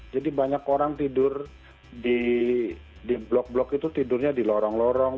jadi banyak orang tidur di blok blok itu tidurnya di lorong lorong